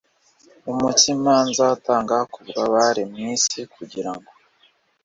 umutsima nzatanga ku bw abari mu isi kugira ngo